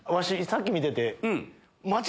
さっき見てて。